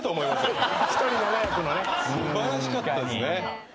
素晴らしかったですね。